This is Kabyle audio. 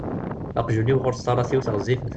Aqjun-iw ɣur-s taṛatiwt ɣezzifet.